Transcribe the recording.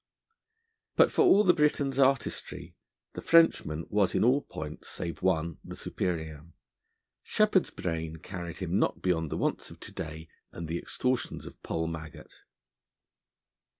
But, for all the Briton's artistry, the Frenchman was in all points save one the superior. Sheppard's brain carried him not beyond the wants of to day and the extortions of Poll Maggot.